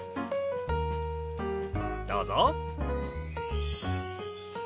どうぞ。